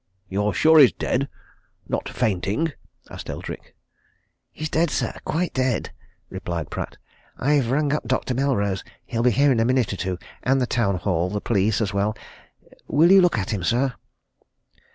"You're sure he is dead? not fainting?" asked Eldrick. "He's dead, sir quite dead," replied Pratt. "I've rung up Dr. Melrose he'll be here in a minute or two and the Town Hall the police as well. Will you look at him, sir?"